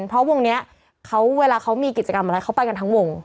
เพราะวงนี้เวลาเขามีกิจกรรมอะไรเขาไปกันทั้งวง